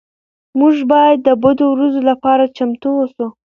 موږ باید د بدو ورځو لپاره چمتو اوسو.